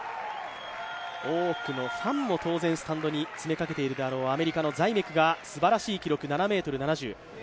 多くのファンも当然スタンドに詰めかけているであろうアメリカのザイメクがすばらしい記録、７ｍ７０。